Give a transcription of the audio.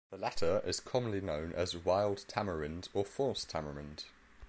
The latter is commonly known as 'wild tamarind' or 'false tamarind'.